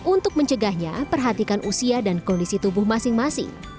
untuk mencegahnya perhatikan usia dan kondisi tubuh masing masing